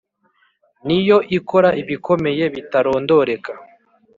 ni yo ikora ibikomeye bitarondoreka,